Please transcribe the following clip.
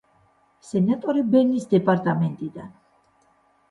სენატორი ბენის დეპარტამენტიდან.